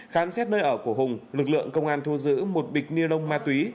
khám xét nơi ở của hùng lực lượng công an thu giữ một bịch ni lông ma túy